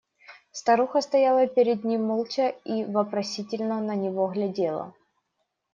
Старуха стояла перед ним молча и вопросительно на него глядела.